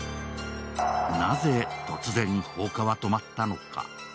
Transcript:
なぜ突然放火は止まったのか。